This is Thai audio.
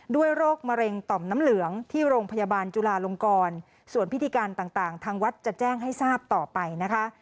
โรคมะเร็งต่อมน้ำเหลืองที่โรงพยาบาลจุลาลงกรส่วนพิธีการต่างทางวัดจะแจ้งให้ทราบต่อไปนะคะ